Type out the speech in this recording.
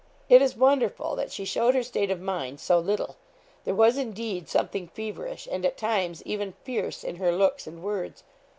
It is wonderful that she showed her state of mind so little. There was, indeed, something feverish, and at times even fierce, in her looks and words.